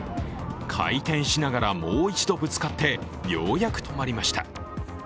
回転しながらもう一度ぶつかって、ようやく止まりました。